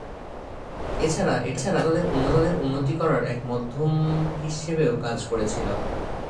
এছাড়া, এটা শ্রোতাদের উন্নতি করার এক মাধ্যম হিসেবেও কাজ করেছিল।